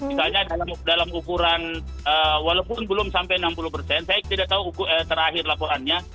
misalnya dalam ukuran walaupun belum sampai enam puluh persen saya tidak tahu terakhir laporannya